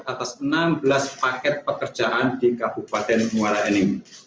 atas enam belas paket pekerjaan di kabupaten muara enim